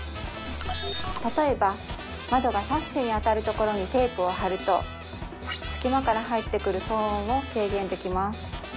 例えば窓がサッシに当たるところにテープを貼ると隙間から入ってくる騒音を軽減できます